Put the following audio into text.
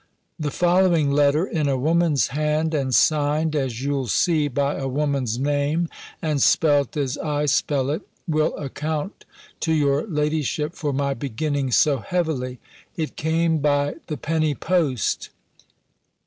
The following letter, in a woman's hand, and signed, as you'll see, by a woman's name, and spelt as I spell it, will account to your ladyship for my beginning so heavily. It came by the penny post.